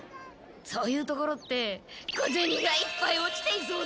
そういうところって小ゼニがいっぱい落ちていそうだから！